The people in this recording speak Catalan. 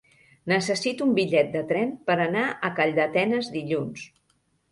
Necessito un bitllet de tren per anar a Calldetenes dilluns.